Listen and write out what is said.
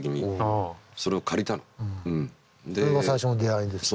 それが最初の出会いですか？